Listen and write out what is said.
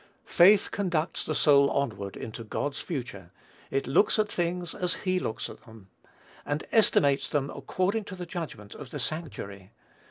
Faith conducts the soul onward into God's future; it looks at things as he looks at them, and estimates them according to the judgment of the sanctuary.